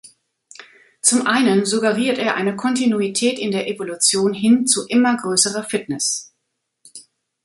Zum einen suggeriert er eine Kontinuität in der Evolution hin zu immer größerer Fitness.